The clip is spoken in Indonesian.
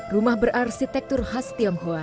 rumah berarsitektur khas tionghoa